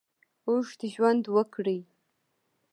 اوږد ژوند ورکړي.